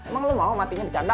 emang lu mau matinya bercanda